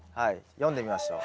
読んでみましょう。